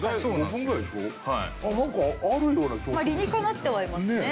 まあ理にかなってはいますね。